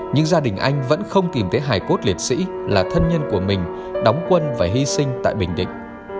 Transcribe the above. nhưng gia đình anh vẫn không tìm thấy hải cốt liệt sĩ là thân nhân của mình đóng quân và hy sinh tại bình định